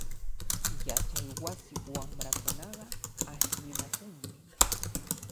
Yachaywasi wamrakunaqa ashllinakunmi.